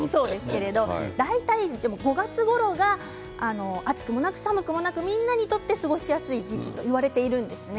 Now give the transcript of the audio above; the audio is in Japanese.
大体５月ごろが暑くもなく寒くもなくみんなにとって過ごしやすい時期といわれているんですね。